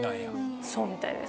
そうみたいです。